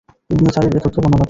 Ibn Jarir এ তথ্য বর্ণনা করেছেন।